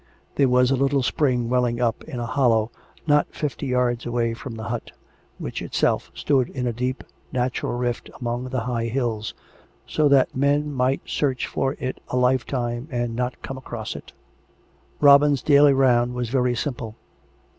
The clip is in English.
There was a little spring welling up in a hollow not fifty yards away from the hut, which itself stood in a deep, natural rift among the high hills, so that men might search for it a lifetime and not come across it. Robin's daily round was very simple.